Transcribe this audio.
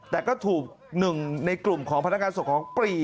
แต่ก็ถูกหนึ่งในกลุ่มของพนักงานส่งของปรี